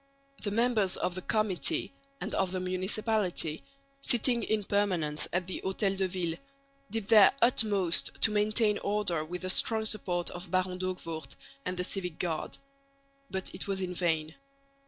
The members of the Committee and of the Municipality, sitting in permanence at the Hotel de Ville, did their utmost to maintain order with the strong support of Baron D'Hoogvoort and the Civic Guard. But it was in vain.